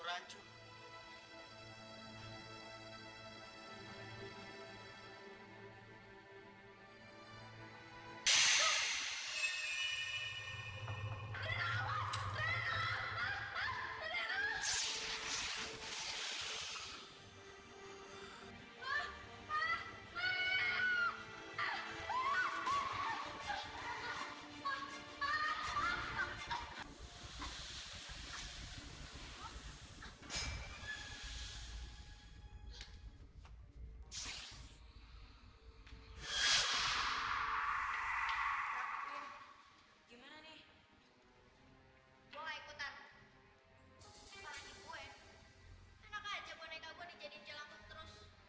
aku bener bener takut di rumah sendirian ya